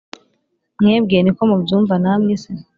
mwebwe niko mubyumva namwe se